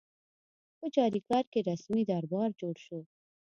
په چاریکار کې رسمي دربار جوړ شو.